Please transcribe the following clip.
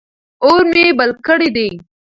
اور مې بل کړی دی.